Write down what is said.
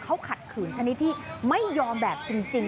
เขาขัดขืนชนิดที่ไม่ยอมแบบจริง